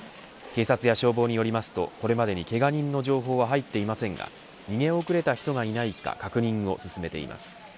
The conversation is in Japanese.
警察や消防によりますとこれまでにけが人の情報は入っていませんが逃げ遅れた人がいないか確認を進めています。